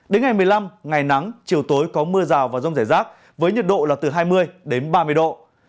đến ngày một mươi năm ngày nắng chiều tối có mưa rào và rông rải rác với nhiệt độ là từ hai mươi đến ba mươi độ